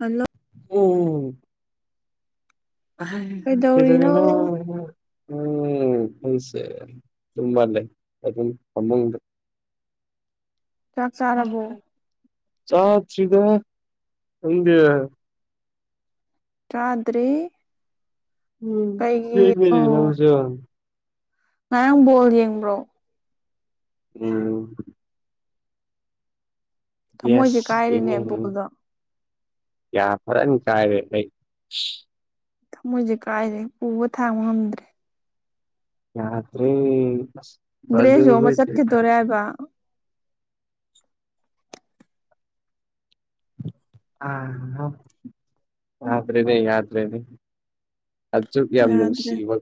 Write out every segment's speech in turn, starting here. ꯑꯜꯂꯣ ꯎꯝ ꯀꯩꯗꯧꯔꯤꯅꯣ ꯎꯝ ꯎꯁꯦ ꯑꯗꯨꯨꯝꯃ ꯂꯩ ꯑꯗꯨꯝ ꯐꯃꯨꯡꯗ ꯆꯥꯛ ꯆꯥꯔꯕꯣ ꯆꯥꯗꯔꯤꯗ ꯍꯗꯤ ꯆꯥꯗ꯭ꯔꯤ ꯎꯝ ꯊꯅꯦ ꯂꯧꯁꯨ ꯉꯥꯡꯕꯣꯜ ꯌꯦꯡꯕ꯭ꯔꯣ ꯎ ꯊꯃꯣꯏꯁꯦ ꯌꯦꯁ ꯀꯥꯏꯔꯦꯅꯦ ꯌꯦꯡꯉ ꯎ ꯕꯣꯜꯗꯣ ꯌꯥ ꯐꯔꯅꯤ ꯀꯥꯏꯔꯦ ꯑꯩ ꯊꯃꯣꯏꯁꯦ ꯀꯥꯏꯔꯦ ꯄꯨꯕ ꯊꯥꯡꯕ ꯉꯝꯗ꯭ꯔꯦ ꯗ꯭ꯔꯦꯁꯁꯨ ꯑꯃ ꯌꯥꯇꯔꯤꯖꯣꯏꯁ ꯆꯠꯈꯤꯗꯣꯔꯦ ꯍꯥꯏꯕ ꯑ ꯌꯥꯗ꯭ꯔꯦꯅꯦ ꯌꯥꯗ꯭ꯔꯦꯅꯦ ꯑꯆ ꯀ ꯌꯥꯝ ꯌꯥꯗ꯭ꯔꯦ ꯅꯨꯡꯁꯤꯕ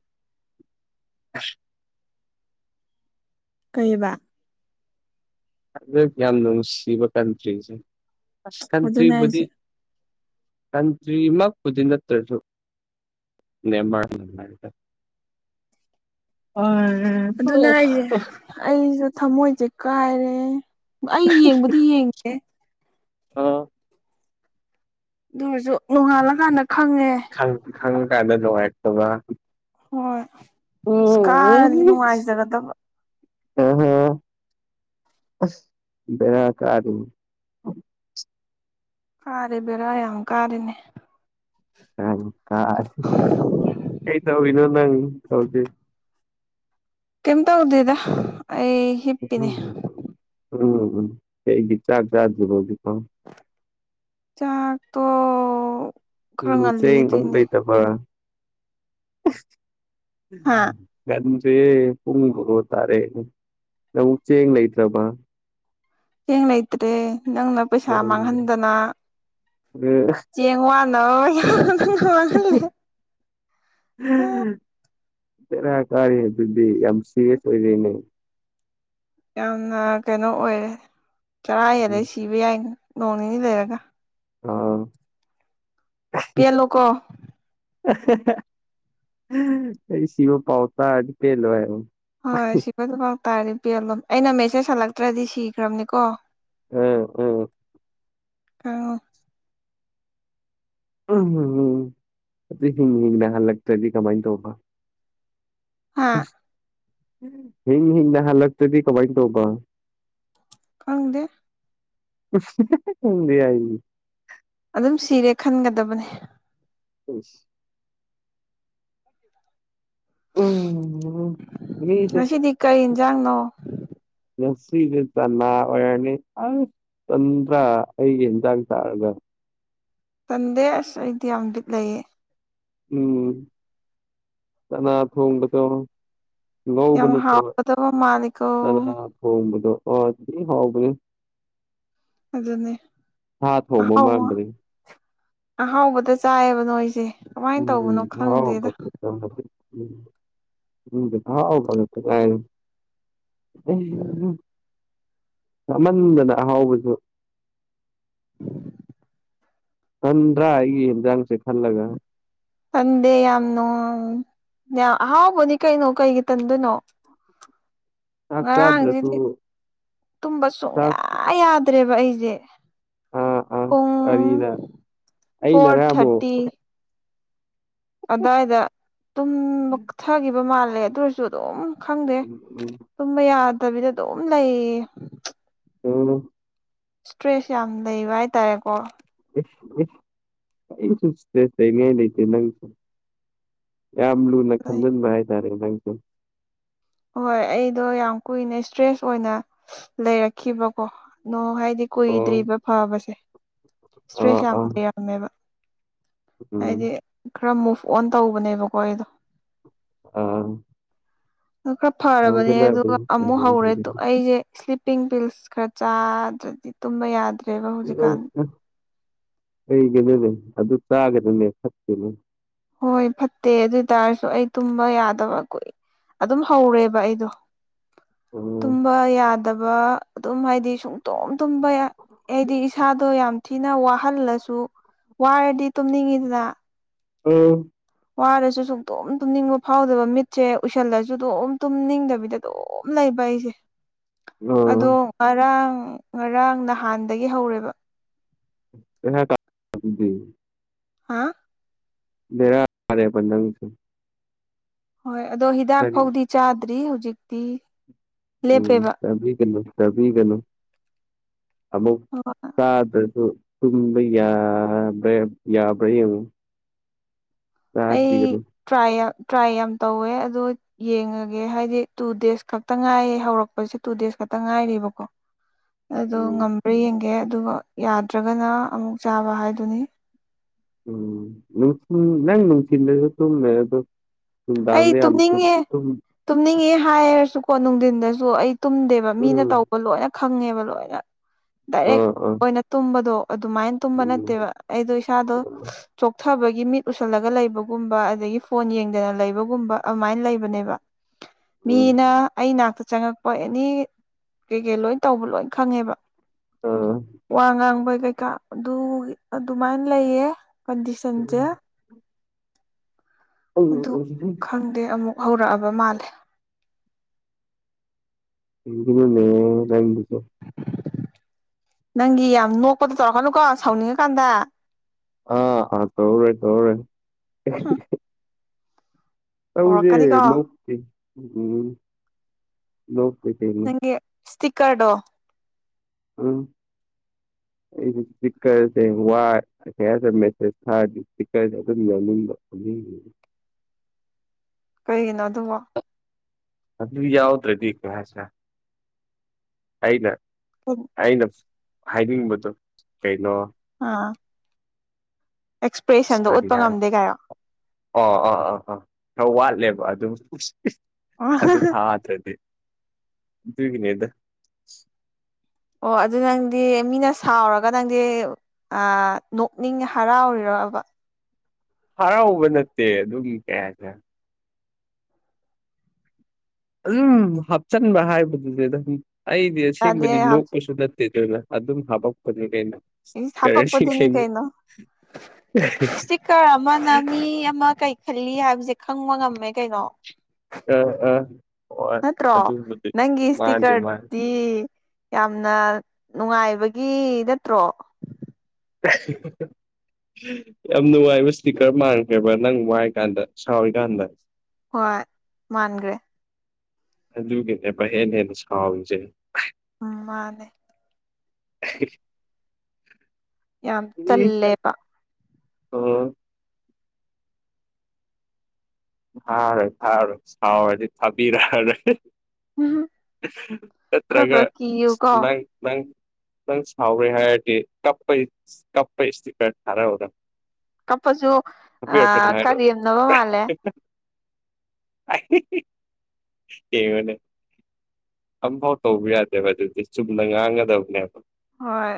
ꯀꯩꯕ ꯑꯗꯨ ꯌꯥꯝ ꯅꯨꯡꯁꯤꯕ ꯀꯟꯇ꯭ꯔꯤꯁꯦ ꯑꯁ ꯑꯗꯨꯅꯦ ꯀꯟꯇ꯭ꯔꯤꯕꯨꯗꯤ ꯍꯥꯏꯁꯦ ꯀꯇ꯭ꯔꯤꯃ ꯈꯨꯗꯤꯅꯠꯇꯔꯁꯨꯨ ꯅꯦꯕꯔꯔꯀ [inaudible] ꯑꯗꯨꯅ ꯑꯩꯁꯦ ꯑꯩꯁꯨ ꯊꯃꯣꯏꯁꯦ ꯀꯥꯏꯔꯦ ꯑꯩ ꯌꯦꯡꯕꯨꯗꯤ ꯌꯦꯡꯉꯦ ꯑꯥ ꯑꯗꯨꯔꯁꯨ ꯅꯣꯡꯉꯥꯜꯂ ꯀꯥꯟꯗ ꯈꯪꯉꯦ ꯈꯪꯀꯥꯟꯗ ꯅꯨꯡꯉꯥꯏꯇꯕ ꯍꯣꯏ ꯑꯁ ꯎꯝ ꯀꯥꯔꯗꯤ ꯅꯨꯡꯉꯥꯏꯖꯒꯗꯕ ꯑꯁ ꯕꯦꯔꯥ ꯀꯥꯗꯣꯏꯅꯤ ꯀꯥꯔꯦ ꯕꯔ ꯌꯥꯝ ꯀꯥꯔꯦꯅꯦ ꯑꯪ ꯀꯥꯔꯦ ꯀꯩ ꯇꯧꯔꯤꯅꯣ ꯅꯪ ꯍꯧꯖꯤꯛ ꯀꯩꯝ ꯇꯧꯗꯦꯗ ꯑꯩ ꯍꯤꯞꯄꯤꯅꯦ ꯎꯝ ꯎꯝ ꯀꯩꯒꯤ ꯆꯥꯛ ꯆꯥꯗ꯭ꯔꯤꯕꯣ ꯍꯧꯖꯤꯛꯐꯥꯎ ꯇꯣ ꯈꯔ ꯎꯝ ꯉꯜꯂꯤ ꯆꯦꯡ ꯑꯗꯨꯏꯅꯦ ꯍꯥ [inaudible] ꯆꯦ ꯄꯨꯡ ꯕꯥꯔꯣ ꯇꯥꯔꯦ ꯅꯪ ꯆꯦꯡ ꯂꯩꯇ꯭ꯔꯕ ꯆꯦꯡ ꯂꯩꯇ꯭ꯔꯦ ꯅꯪꯅ ꯄꯩꯁꯥ ꯃꯥꯡꯍꯟꯗꯅ ꯆꯦꯡꯉ ꯋꯥꯟꯅꯕ ꯄꯩꯁꯥ ꯅꯪꯅ ꯃꯥꯡꯍꯜꯂꯤꯅꯦ ꯎꯝꯝ ꯕꯦꯔꯥ ꯀꯥꯔꯦ ꯑꯗꯨꯗꯤ ꯌꯥꯝ ꯁꯦꯔꯤꯌꯁ ꯑꯣꯏꯔꯦꯅꯦ ꯌꯥꯝꯅ ꯀꯩꯅꯣ ꯑꯣꯏꯔꯦ ꯆꯔꯥ ꯍꯦꯜꯂꯦ ꯁꯤꯕ ꯌꯥꯏꯅ ꯅꯣꯡꯅꯤꯅꯤ ꯂꯩꯔꯒ ꯑꯥ ꯄꯦꯜꯂꯣꯀꯣ ꯍꯥ ꯍꯥ ꯍꯥ ꯑꯩ ꯁꯤꯕ ꯄꯥꯎ ꯇꯥꯔꯗꯤ ꯄꯦꯜꯂꯣ ꯍꯥꯏꯌꯣ ꯍꯣꯏ ꯁꯤꯕꯨꯗꯨꯐꯥꯎ ꯇꯥꯔꯗꯤ ꯄꯦꯜꯂꯣ ꯑꯩꯅ ꯃꯦꯁꯦꯖ ꯍꯜꯂꯛꯇ꯭ꯔꯗꯤ ꯁꯤꯈ꯭ꯔꯕꯅꯤꯀꯣ ꯎꯝ ꯎꯝ ꯑ [unintelligible] ꯇꯗꯤ ꯀꯃꯥꯏ ꯇꯧꯕ ꯍꯥꯥ ꯍꯤꯡ ꯍꯤꯡꯅ ꯍꯜꯂꯛꯇ꯭ꯔꯗꯤ ꯀꯃꯥꯏꯅ ꯇꯧꯕ ꯈꯪꯗꯦ [unintelligible] ꯑꯗꯨꯝ ꯁꯤꯔꯦ ꯈꯟꯒꯗꯕꯅꯤ ꯑꯣꯏꯁ ꯎꯝ ꯉꯁꯤꯗꯤ ꯀꯔꯤ [unintelligible] ꯏꯟꯖꯥꯡꯅꯣ ꯅꯁꯤꯗ ꯆꯅꯥ ꯑꯣꯏꯔꯅꯤ ꯆꯟꯗ꯭ꯔꯥ ꯑꯩꯒꯤ ꯌꯦꯟꯖꯥꯡ ꯆꯥꯔꯒ ꯇꯟꯗꯦ ꯑꯁ ꯑꯩꯗꯤ ꯌꯥꯝ ꯕꯤꯠ ꯂꯩꯌꯦ ꯎꯝ ꯆꯅꯥ ꯊꯣꯡꯣꯡꯕꯗꯣ ꯉꯧꯕ ꯌꯥꯝ ꯅꯠꯇꯕ ꯍꯥꯎꯒꯗꯕ ꯃꯥꯜꯂꯤꯀꯣ ꯆꯅꯥ ꯊꯣꯡꯕꯗꯣ ꯊꯤ ꯍꯥꯎꯕꯅꯤ ꯑꯗꯨꯅꯦ ꯁꯥꯥ ꯊꯣꯡꯃ ꯑꯍꯥꯎꯕ ꯃꯥꯟꯕꯔꯤ ꯑꯍꯥꯎꯕꯗ ꯆꯥꯏꯌꯦꯕ ꯅꯣꯏꯁꯦ ꯎꯝ ꯀꯃꯥꯏꯅ [unintelligible] ꯎꯝ ꯇꯧꯕꯅꯣ ꯈꯪꯗꯦꯗ ꯎꯝ ꯊꯥꯎ [unintelligible] ꯆꯃꯟꯕꯗ ꯑꯍꯥꯎꯕꯁꯨ ꯎꯝ ꯇꯟꯗ꯭ꯔꯥ ꯑꯩꯒꯤ ꯌꯦꯟꯖꯥꯡꯁꯦ ꯈꯜꯂꯒ ꯇꯟꯗꯦ ꯌꯥꯝ ꯅꯨ ꯌꯥꯝ ꯍꯥꯎꯕꯅꯤ ꯀꯩꯅꯣ ꯀꯩꯒꯤ ꯇꯟꯗꯨꯣꯏꯅꯣ [inaudible] ꯆꯥꯛ ꯆꯥꯗ꯭ꯔꯁꯨ ꯉꯔꯥꯡꯁꯤꯗꯤ ꯇꯨꯝꯕ ꯁꯨꯡꯌꯥ ꯆꯥꯛ ꯌꯥꯗ꯭ꯔꯦꯕ ꯑꯩꯁꯦ ꯑꯥ ꯑꯥ ꯄꯨꯡ ꯋꯥꯔꯤꯅ ꯐꯣꯔ ꯑꯩꯅꯔ ꯑꯃꯨꯛ ꯑꯗꯥꯏꯗ ꯇꯨꯝ ꯃꯛꯊꯈꯤꯕ ꯃꯥꯜꯂꯦ ꯑꯗꯨ ꯑꯣꯏꯔꯁꯨ ꯑꯗꯨꯝ ꯈꯪꯗꯦ ꯎꯝ ꯇꯨꯝꯕ ꯌꯥꯗꯕꯤꯗ ꯑꯗꯨꯝ ꯂꯩꯌꯦ ꯑꯝ ꯏꯁꯇ꯭ꯔꯦꯁ ꯌꯥꯝ ꯂꯩꯕ ꯍꯥꯏꯇꯥꯔꯦꯀꯣ ꯀ ꯁ ꯅ ꯂꯩꯇ ꯅ ꯌꯥꯝ ꯂꯨꯅ ꯈꯟꯖꯤꯟꯕ ꯍꯥꯏꯇꯥꯔꯦ ꯅꯪꯁꯨ ꯍꯣꯏ ꯑꯩꯗꯣ ꯌꯥꯝ ꯀꯨꯏꯅ ꯏꯁꯇ꯭ꯔꯦꯁ ꯑꯣꯏꯅ ꯂꯩꯔꯛꯈꯤꯕꯀꯣ ꯍꯥꯏ ꯑꯣ ꯀꯣꯏꯗ꯭ꯔꯤꯕ ꯐꯥꯕꯁꯦ ꯁꯇ꯭ꯔꯦꯁ ꯌꯥꯝ ꯂꯩꯔꯝꯃꯦꯕ ꯑꯝ ꯍꯥꯏꯗꯤ ꯈꯔ ꯃꯨꯚ ꯑꯣꯟ ꯇꯧꯕꯅꯦꯕꯀꯣ ꯑꯩꯗꯣ ꯑꯥ ꯈꯔ ꯐꯔꯕꯅꯦ ꯑꯗꯨꯒ ꯇꯧꯒꯗꯕꯅꯤ ꯑꯃꯨꯛ ꯍꯧꯔꯦ ꯇꯨ ꯑꯩꯁꯦ ꯏꯁꯞ ꯄꯤꯡ ꯕꯤꯜꯁ ꯈꯔ ꯆꯥꯗ꯭ꯔꯗꯤ ꯇꯨꯝꯕ ꯌꯥꯗ꯭ꯔꯦꯕ ꯍꯧꯖꯤꯛꯀꯥꯟ ꯀꯩꯒꯤꯅꯣꯅꯦ ꯑꯗꯨ ꯆꯥꯒꯅꯨꯅꯦ ꯐꯠꯇꯦꯅꯦ ꯍꯣꯏ ꯐꯠꯇꯦ ꯑꯗꯨ ꯑꯣꯏ ꯇꯔꯁꯨ ꯑꯩ ꯇꯨꯝꯕ ꯌꯥꯗꯕ ꯀꯣꯏ ꯑꯗꯨꯝ ꯍꯧꯔꯦꯕ ꯑꯩꯗꯣ ꯑꯥ ꯇꯨꯝꯕ ꯌꯥꯗꯕ ꯑꯗꯨꯝ ꯍꯥꯏꯗꯤ ꯁꯨꯝ ꯇꯣꯝ ꯇꯨꯝꯕ ꯍꯥꯏꯗꯤ ꯏꯁꯥꯗꯣ ꯌꯥꯝ ꯊꯤꯅ ꯋꯥꯍꯜꯂꯁꯨ ꯋꯥꯔꯗꯤ ꯇꯨꯝꯅꯤꯡꯉꯤꯗꯅ ꯑꯣ ꯋꯥꯔꯁꯨ ꯁꯨꯡꯛꯇꯝ ꯇꯨꯝꯅꯤꯡꯕ ꯐꯥꯎꯗꯕ ꯃꯤꯠꯁꯦ ꯎꯏꯁꯜꯂꯁꯨ ꯑꯗꯨꯝ ꯇꯨꯝꯅꯤꯡꯗꯕꯤꯗ ꯑꯗꯨꯝ ꯂꯩꯕ ꯏꯁꯦ ꯑꯥ ꯑꯗꯣ ꯉꯔꯥꯡ ꯉꯔꯥꯡ ꯅꯍꯥꯟꯗꯒꯤ ꯍꯧꯔꯦꯕ ꯑꯟꯏꯟꯇꯦꯜꯂꯤꯖꯦꯕꯜ ꯍꯥ ꯕꯦꯔ ꯀꯤꯔꯦ ꯕ ꯅꯩꯁꯨ ꯍꯣꯏ ꯑꯗꯣ ꯍꯤꯗꯥꯛ ꯐꯥꯎꯗꯤ ꯆꯥꯗ꯭ꯔꯤ ꯍꯧꯖꯤꯛꯇꯤ ꯎꯝ ꯂꯦꯞꯄꯦꯕ ꯇꯕꯤ ꯀꯩꯅꯣ ꯇꯕꯤ ꯀꯩꯅꯣ ꯑꯃꯨꯛ ꯍꯣꯏ ꯁꯥꯗꯁꯨ ꯇꯨꯝꯕ ꯌꯥꯕ꯭ꯔꯦ ꯌꯥꯕ꯭ꯔꯥ ꯌꯦ ꯑꯩ ꯇ꯭ꯔꯥꯏ ꯇ꯭ꯔꯥꯏ ꯌꯥꯝ ꯇꯧꯋꯦ ꯑꯗꯨ ꯌꯦꯡꯉꯒꯦ ꯍꯥꯏꯗꯤ ꯇꯨ ꯗꯦꯖ ꯈꯛꯇ ꯉꯥꯏꯌꯦ ꯍꯧꯔꯛꯄꯁꯦ ꯇꯨ ꯗꯦꯖ ꯈꯛꯇ ꯇ ꯉꯥꯏꯔꯤꯕꯀꯣ ꯑꯗꯣ ꯎꯝ ꯉꯝꯕ꯭ꯔꯥ ꯌꯦꯡꯒꯦ ꯑꯗꯨꯒ ꯌꯥꯗ꯭ꯔꯒꯅ ꯑꯃꯨꯛ ꯆꯥꯕ ꯍꯥꯏꯗꯨꯅꯤ ꯎꯝꯅꯨꯡ ꯅꯨꯡꯊꯤꯟ ꯂꯩꯁ ꯃꯗ ꯑꯩ ꯇꯨꯝꯅꯤꯡꯉꯦ ꯇꯨꯝꯅꯤꯡꯉꯦ ꯍꯥꯏꯔꯁꯨꯀꯣ ꯅꯨꯡꯊꯤꯟꯗꯁꯨ ꯑꯩ ꯇꯨꯝꯗꯦꯕ ꯃꯤꯅ ꯎꯝ ꯇꯧꯕ ꯂꯣꯏꯅ ꯈꯪꯉꯦꯕ ꯂꯣꯏꯅ ꯗꯥꯏꯔꯦꯛ ꯑꯥ ꯑꯥ ꯑꯣꯏꯅ ꯇꯨꯝꯕꯗꯣ ꯑꯗꯨꯃꯥꯏꯅ ꯇꯨꯝꯕ ꯎꯝ ꯅꯠꯇꯦꯕ ꯑꯩꯗꯣ ꯏꯁꯥꯗꯣ ꯊꯕꯒꯤ ꯃꯤꯠ ꯎꯁꯜꯂꯒ ꯂꯩꯕꯒꯨꯝꯕ ꯑꯗꯒꯤ ꯐꯣꯟ ꯌꯦꯡꯗꯅ ꯂꯩ ꯨꯝ ꯑꯗꯨꯃꯥꯏꯅ ꯂꯩꯕꯅꯦꯕ ꯎꯝ ꯃꯤꯅ ꯑꯩꯅꯥꯛꯇ ꯆꯪꯉꯛꯄ ꯑꯦꯅꯤ ꯀꯩ ꯀꯩ ꯂꯣꯏ ꯇꯧꯕ ꯂꯣꯏ ꯈꯪꯉꯦꯕ ꯑꯥ ꯋꯥ ꯉꯥꯡꯕ ꯀꯩꯀꯥ ꯑꯗꯨ ꯑꯗꯨꯃꯥꯏꯅ ꯂꯩꯌꯦ ꯀꯟꯗꯤꯁꯟꯁꯦ ꯑꯗꯨ ꯈꯪꯗꯦ ꯑꯃꯨꯛ ꯍꯧꯔꯛꯑꯕ ꯃꯥꯜꯂꯦ ꯑꯟꯏꯟꯇꯦꯜꯂꯤꯖꯦꯕꯜ ꯅꯪꯒꯤ ꯌꯥꯝ ꯅꯣꯛꯄꯗꯨ ꯇꯧꯔꯛꯀꯅꯨꯀꯣ ꯁꯥꯎꯅꯤꯡꯉꯀꯥꯟꯗ ꯑꯥ ꯑꯥ ꯇꯧꯔꯦ ꯇꯧꯔꯦ ꯍꯨꯝ ꯇꯧꯗꯦ ꯍꯧꯔꯛꯀꯅꯤꯀꯣ ꯅꯣꯛꯇꯦ ꯎꯝ ꯅꯣꯛꯇꯦ ꯀꯔꯤꯅꯣ ꯇꯤꯀꯔꯗꯣ ꯑꯝ [inaudible] ꯑꯩꯁꯦ ꯏꯁꯄꯤꯛꯀꯔꯁꯦ ꯋꯥꯏ ꯃꯦꯁꯦꯖ ꯊꯥꯔꯗꯤ ꯏꯁꯄꯤꯛꯀꯔꯁꯦ ꯑꯗꯨꯝ ꯌꯥꯎꯅꯤꯡꯕ ꯀꯩꯒꯤꯅꯣ ꯑꯗꯨꯕꯣ ꯑꯗꯨ ꯌꯥꯎꯗ꯭ꯔꯦꯗꯤ ꯀꯂ꯭ꯥꯁ ꯇ ꯑꯩꯒ ꯑꯩꯅ ꯍꯥꯏꯅꯤꯡꯕꯗꯣ ꯀꯩꯅꯣ ꯑꯥ ꯑꯦꯛꯁꯄ꯭ꯔꯦꯁꯟꯗꯣ ꯀꯔꯤ ꯎꯠꯄ ꯍꯥꯏ ꯉꯝꯗꯦ ꯀꯥꯏꯌꯣ ꯑꯣ ꯑ ꯑꯥ ꯑꯥ ꯈꯔ ꯋꯥꯠꯂꯦꯕ ꯑꯗꯨꯝ ꯑ ꯑꯗꯨ ꯊꯥꯗ꯭ꯔꯗꯤ ꯒꯤꯅꯦꯗ ꯑꯣ ꯑꯗꯨ ꯅꯪꯗꯤ ꯃꯤꯅ ꯁꯥꯎꯔꯒ ꯅꯪꯗꯤ ꯅꯣꯛꯅꯤꯡ ꯍꯔꯥꯎꯔꯤꯔ ꯋꯥꯕ ꯍꯔꯥꯎꯕ ꯅꯠꯇꯦ ꯑꯗꯨꯝ ꯀꯌꯥꯁ ꯑꯗꯨꯝ ꯍꯥꯞꯆꯤꯟꯕ ꯍꯥꯏꯕꯗꯨꯗꯤ ꯑꯗꯨꯝ ꯑꯩꯗꯤ ꯌꯥꯗꯦ ꯑꯁꯦꯡꯕꯗꯤ ꯂꯣꯛꯄꯁꯨ ꯅꯠꯇꯦ ꯑꯗꯨꯅ ꯑꯗꯨꯝ ꯍꯥꯕꯄꯛꯄꯅꯤ ꯀꯩꯅꯣ ꯁꯥꯄꯛ ꯄꯊꯅꯤ ꯀꯩꯅꯣ ꯏꯁꯇꯤꯀꯔ ꯑꯃꯅ ꯃꯤ ꯑꯃ ꯀꯔꯤ ꯈꯠꯂꯤ ꯍꯥꯏꯕꯁꯦ ꯈꯪꯕ ꯉꯝꯃꯦ ꯀꯩꯅꯣ ꯑꯥ ꯑꯥ ꯍꯣꯏ ꯅꯠꯇ꯭ꯔꯣ ꯑꯗꯨꯕꯨꯗꯤ ꯅꯪ ꯏꯁꯇꯤ ꯃꯥꯅꯤ ꯃꯥꯅꯤ ꯀꯗꯤ ꯌꯥꯝꯅ ꯅꯨꯡꯉꯥꯏꯕꯒꯤ ꯅꯠꯇ꯭ꯔꯣ [unintelligible] ꯌꯥꯝ ꯅꯨꯡꯉꯥꯏꯕ ꯏꯁꯄꯤꯀꯔ ꯃꯥꯟꯈ꯭ꯔꯦꯕ ꯅꯪ ꯋꯥꯏ ꯀꯥꯟꯗ ꯁꯥꯎꯔꯤꯀꯥꯟꯗ ꯍꯣꯏ ꯃꯥꯟꯈ꯭ꯔꯦ ꯑꯗꯨꯒꯤꯅꯥ ꯃꯍꯦꯜꯂꯦꯕꯥ ꯁꯥꯎꯔꯤꯖꯦ ꯎꯝ ꯃꯥꯅꯦ [unintelligible] ꯌꯥꯝ ꯇꯜꯂꯦꯄꯥ ꯑꯝ ꯊꯥꯔꯣꯏ ꯊꯥꯔꯣꯏ ꯁꯥꯎꯔꯗꯤ ꯊꯥꯕꯤꯔꯣꯏ ꯎꯝ ꯈꯔ ꯆꯥꯠꯇ꯭ꯔꯒ ꯈꯔ ꯀꯤꯌꯨꯀꯣ ꯅꯪ ꯅꯪ ꯅꯪ ꯁꯥꯎꯔꯦ ꯍꯥꯏꯔꯗꯤ ꯀꯞꯄ ꯀꯞꯄ ꯏꯁꯇꯤꯀꯔ ꯊꯥꯔꯛꯎꯗꯪ ꯀꯞꯄꯁꯨ ꯑ ꯀꯔꯦꯝꯅꯕ ꯃꯥꯜꯂꯦ ꯀꯦꯕꯅꯦ ꯑꯝꯐꯥꯎ ꯇꯧꯕ ꯌꯥꯗꯦꯕ ꯑꯗꯨꯗꯤ ꯆꯨꯝꯅ ꯉꯥꯡꯒꯗꯕꯅꯦꯕ ꯍꯣꯏ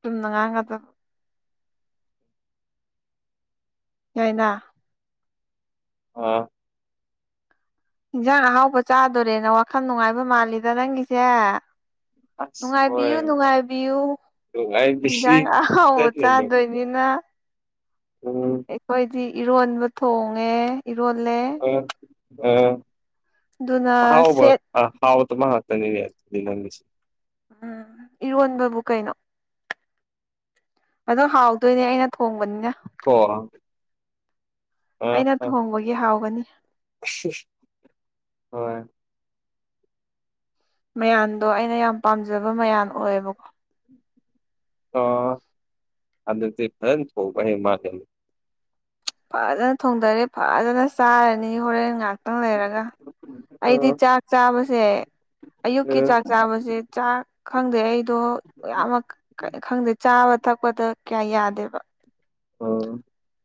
ꯁꯨꯝꯅ ꯉꯥꯏꯒꯗꯕ ꯌꯥꯏꯅ ꯑꯥ ꯏꯟꯁꯥꯡ ꯑꯍꯥꯎꯕ ꯆꯥꯗꯣꯔꯦꯅ ꯋꯥꯈꯜ ꯅꯨꯡꯉꯥꯏꯕ ꯃꯥꯜꯂꯤꯗ ꯅꯪꯒꯤꯁꯦ ꯑꯁ ꯍꯣꯏ ꯅꯨꯡꯉꯥꯏꯕꯤꯌꯨ ꯅꯨꯡꯉꯥꯏꯕꯤꯌꯨ ꯅꯨꯡꯉꯥꯏ ꯃꯤꯁꯤ ꯏꯟꯖꯥꯡ ꯑꯥꯎꯕ ꯐꯖꯅ ꯆꯥꯗꯣꯏꯅꯤꯅ ꯎꯝ ꯑꯩꯈꯣꯏꯗꯤ ꯏꯔꯣꯟꯕ ꯊꯣꯡꯉꯦ ꯏꯔꯣꯜꯂꯦ ꯑꯝ ꯑꯝ ꯑꯗꯨꯅ ꯑꯍꯥꯎꯕ ꯁꯦꯠ ꯍꯥꯎ ꯑꯃꯈꯛꯇꯅꯤꯅꯦ ꯂꯤꯃꯟꯕꯁꯦ ꯎꯝ ꯏꯔꯣꯟꯕꯕꯨ ꯀꯩꯅꯣ ꯑꯗꯣ ꯍꯥꯎꯗꯣꯏꯅꯦ ꯑꯩꯅ ꯊꯣꯡꯕꯅꯤꯅ ꯀꯣ ꯑ ꯑꯩꯅ ꯑ ꯊꯣꯡꯕꯒꯤ ꯍꯥꯎꯒꯅꯤ ꯍꯣꯏ ꯃꯌꯥꯝꯟꯗꯣ ꯑꯩꯅ ꯌꯥꯝ ꯄꯥꯝꯖꯕ ꯃꯌꯥꯝ ꯑꯣꯏꯌꯦꯕꯀꯣ ꯑ ꯑꯗꯗꯤ ꯐꯟ ꯊꯣꯛ ꯃꯥꯒ ꯐꯖꯅ ꯊꯣꯡꯗꯔꯦ ꯐꯖꯅ ꯆꯥꯔꯅꯤ ꯍꯣꯔꯦꯟ ꯉꯍꯥꯛꯇꯪ ꯂꯩꯔꯅꯤ ꯑ ꯑꯩꯗꯤ ꯆꯥꯛ ꯆꯥꯕꯁꯦ ꯑ ꯑꯌꯨꯛꯀꯤ ꯆꯥꯛ ꯆꯥꯕꯁꯦ ꯆꯥꯛ ꯈꯪꯗꯦ ꯑꯩꯗꯣ ꯌꯥꯝ ꯈꯪꯗꯦ ꯆꯥꯕ ꯊꯛꯄꯗ ꯀꯌꯥ ꯌꯥꯗꯦꯕ ꯑ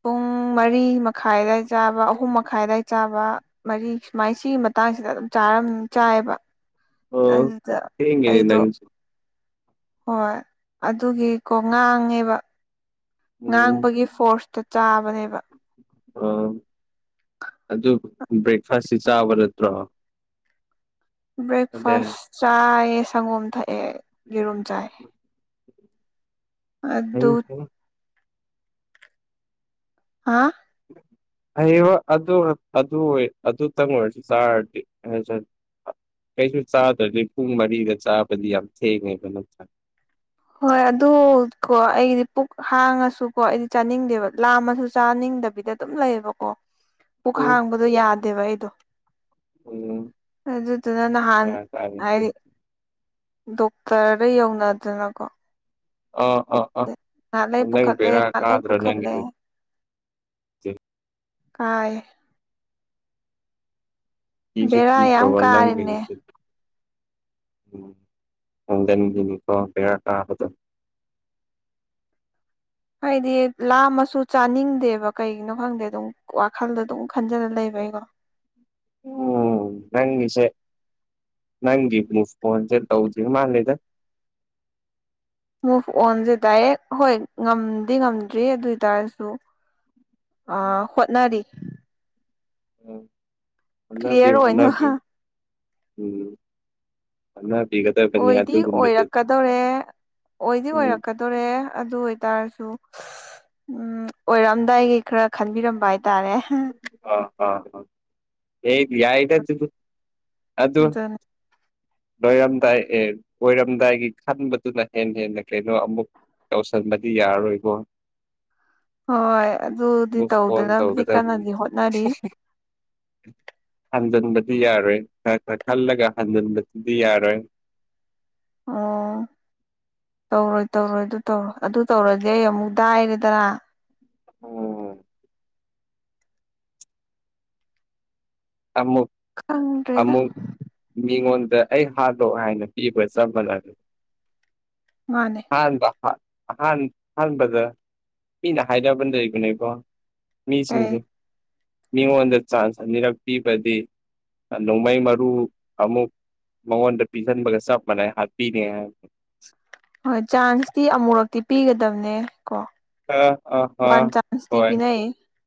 ꯄꯨꯡ ꯃꯔꯤ ꯃꯈꯥꯏꯗ ꯆꯥꯕ ꯑꯍꯨꯝ ꯃꯈꯥꯏꯗ ꯆꯥꯕ ꯃꯔꯤ ꯁꯨꯃꯥꯏꯅ ꯁꯤꯒꯤ ꯃꯇꯥꯡꯁꯤꯗ ꯑꯗꯨꯝ ꯆꯥꯔ ꯌꯥꯝ ꯆꯥꯏꯕ ꯑ ꯑꯗꯨꯗ ꯊꯦꯡꯉꯦꯅꯦ ꯑꯩꯗꯣ ꯅꯪꯁꯦ ꯍꯣꯏ ꯑꯗꯨꯒꯤꯀꯣ ꯉꯥꯡꯉꯦꯕ ꯎꯝ ꯉꯥꯡꯕꯒꯤ ꯐꯣꯔꯁꯇ ꯆꯥꯕꯅꯦꯕ ꯑꯣ ꯑꯗꯨ ꯕ꯭ꯔꯦꯛꯐꯥꯁꯁꯤ ꯆꯥꯕ ꯅꯠꯇ꯭ꯔꯣ ꯑꯗꯦ ꯕ꯭ꯔꯦꯛꯐꯥꯁ ꯆꯥꯏꯌꯦ ꯁꯪꯒꯣꯝ ꯊꯛꯑꯦ ꯌꯦꯔꯨꯝ ꯆꯥꯏ ꯍꯩ ꯑꯗꯨ ꯍꯩ ꯍꯥ ꯍꯌꯦ ꯑꯗꯨ ꯑꯗꯨ ꯑꯣꯏ ꯑꯗꯨꯇꯪ ꯑꯣꯏꯔꯁꯨ ꯆꯥꯔꯗꯤ ꯀꯩꯁꯨ ꯆꯥꯗ꯭ꯔꯗꯤ ꯄꯨꯡ ꯃꯔꯤꯒ ꯆꯥꯕꯗꯤ ꯌꯥꯝ ꯊꯦꯡꯉꯦꯕ ꯅ ꯍꯣꯏ ꯑꯗꯨ ꯀꯣ ꯑꯩꯒꯤꯗꯤ ꯄꯨꯛ ꯍꯥꯡꯉꯁꯨꯀꯣ ꯑꯩꯗꯤ ꯆꯥꯅꯤꯡꯗꯦꯕ ꯂꯥꯝꯃꯁꯨ ꯆꯥꯅꯤꯡꯗꯕꯤꯗ ꯑꯗꯨꯝ ꯑꯗꯨꯝ ꯂꯩꯌꯦꯕꯀꯣ ꯄꯨꯛ ꯎꯝ ꯍꯥꯡꯕꯗꯣ ꯌꯥꯗꯦꯕ ꯑꯩꯗꯣ ꯎꯝ ꯑꯗꯨꯗꯨꯅ ꯅꯍꯥꯟ ꯑ ꯇꯥꯔꯦ ꯍꯥꯏꯗꯤ ꯗꯣꯛꯇꯔꯗ ꯌꯧꯅꯗꯅꯀꯣ ꯑ ꯑ ꯑ ꯅꯍꯂꯦ ꯅꯪ ꯄꯨꯈꯠꯂꯦ ꯕꯦꯔꯥ ꯅꯍꯦ ꯀꯥꯗ꯭ꯔꯥ ꯄꯨꯈꯠꯂꯦ ꯅꯪꯒꯤꯗꯨꯗꯤ ꯀꯥꯏ ꯀꯖ ꯕꯦꯔꯥ ꯌꯥꯝ ꯀꯤꯗ꯭ꯔꯕꯅꯪ ꯂꯩ ꯀꯥꯔꯦꯅꯦ ꯑꯣꯗꯦꯟ ꯃꯤ ꯀ ꯄꯦꯔ ꯀꯥ ꯍꯧꯗꯣ [inaudible] ꯍꯥꯏꯗꯤ ꯂꯥꯝ ꯃꯁꯨ ꯆꯥꯅꯤꯡꯗꯦꯕ ꯀꯩꯒꯤꯅꯣ ꯈꯪꯗꯦ ꯑꯗꯨꯝ ꯋꯥꯈꯜꯗ ꯑꯗꯨꯝ ꯈꯟꯖꯅ ꯂꯩꯕ ꯑꯩꯀꯣ [inaudible] ꯎꯝ ꯅꯪꯤꯁꯦ ꯅꯪꯒꯤ ꯃ ꯐꯣꯟꯣꯟꯁꯦ ꯇꯧꯗ ꯃꯥꯜꯂꯤꯗ ꯃꯨꯚ ꯑꯣꯟꯁꯦ ꯗꯥꯏꯔꯦꯛ ꯍꯣꯏ ꯉꯝꯗꯤ ꯉꯝꯗ꯭ꯔꯤ ꯑꯗꯨꯏ ꯇꯔꯁꯨ ꯑ ꯍꯣꯠꯅꯔꯤ ꯑ ꯍꯟꯅꯕꯤ ꯀ꯭ꯂꯤꯌꯥꯔ ꯍꯟꯅꯕꯤꯌ ꯑꯣꯏꯅꯕ ꯎꯝ ꯍꯣꯠꯅꯕꯤꯒꯗꯕꯅꯤ ꯑꯣꯏꯗꯤ ꯑꯗꯨꯒꯨꯝꯕꯗꯨꯗꯤ ꯑꯣꯏꯔꯛꯀꯗꯣꯔꯦ ꯑꯣꯏꯗꯤ ꯎꯝ ꯑꯣꯏꯔꯛꯀꯗꯣꯔꯦ ꯑꯗꯨ ꯑꯣꯏ ꯍꯥꯏꯇꯥꯔꯁꯨ ꯎꯝ ꯑꯣꯏꯔꯛꯑꯝꯗꯥꯏꯒꯤ ꯈꯔ ꯈꯟꯕꯤꯔꯝꯕ ꯍꯥꯏꯇꯥꯔꯦ ꯑ ꯑꯥ ꯌꯥꯏꯗ ꯑ ꯑꯗꯨ ꯑꯗꯨꯅꯤ ꯂꯣꯏꯔꯝꯗꯥꯏ ꯑꯦ ꯑꯣꯏꯔꯝꯗꯥꯏꯒꯤ ꯈꯟꯕꯗꯨꯅ ꯍꯦꯟꯅ ꯍꯦꯟꯅ ꯀꯩꯅꯣ ꯑꯃꯨꯛ ꯇꯧꯁꯟꯕꯗꯤ ꯌꯥꯔꯔꯣꯏꯀꯣ ꯍꯣꯏ ꯑꯗꯨꯗꯤ ꯃꯨꯚ ꯑꯣꯟ ꯇꯧꯗꯅꯕꯗꯤ ꯇꯧꯒꯗꯕꯅꯤ ꯀꯟꯅꯗꯤ ꯍꯣꯠꯅꯔꯤ [inaudible] ꯍꯟꯖꯤꯟꯕꯗꯤ ꯌꯥꯔꯣꯏ ꯈ ꯈ ꯈꯜꯂꯒ ꯍꯟꯖꯤꯟꯕꯗꯨꯗꯤ ꯌꯥꯔꯣꯏ ꯑꯣ ꯇꯧꯔꯣꯏ ꯇꯧꯔꯣꯏ ꯑꯗꯨ ꯇꯧꯔꯣꯏ ꯑꯗꯨ ꯇꯧꯔꯗꯤꯦ ꯑꯩ ꯑꯃꯨꯛ ꯗꯥꯏꯔꯦꯗꯅ ꯑꯣ ꯑꯃꯨꯛ ꯈꯪꯗ꯭ꯔꯦꯗ ꯑꯃꯨꯛ ꯃꯤꯉꯣꯟ ꯑꯩ ꯍꯥꯥꯟꯕꯣꯛ ꯍꯥꯏꯅ ꯄꯤꯕ ꯆꯝꯕꯅ ꯑꯗꯨ ꯃꯥꯅꯦ ꯑꯥꯟꯕ ꯑꯍꯥꯟ ꯑꯍꯥꯟꯕꯗ ꯀꯅ ꯍꯥꯏꯔꯕꯅ ꯂꯩꯕꯅꯦꯀꯣ ꯀꯩ ꯃꯤꯁꯤꯡꯁꯦ ꯃꯤꯉꯣꯟꯗ ꯆꯥꯟꯁ ꯑꯅꯤꯔꯛ ꯄꯤꯕꯗꯤ ꯅꯣꯡꯃꯥꯏ ꯃꯥꯔ ꯑꯃꯃꯨꯛ ꯃꯉꯣꯟꯗ ꯄꯤꯁꯤꯟꯕꯒ ꯆꯞ ꯃꯥꯟꯅꯩ ꯍꯥꯞꯄꯤꯅꯦ ꯍꯣꯏ ꯆꯥꯟꯁꯇꯤ ꯑꯃꯨꯔꯛꯇꯤ ꯄꯤꯒꯗꯕꯅꯦ꯫ ꯀꯣ ꯑ ꯑ ꯑ ꯋꯥꯟ ꯆꯥꯟꯁꯗꯤ ꯍꯣꯏ ꯄꯅꯏꯌꯦ꯫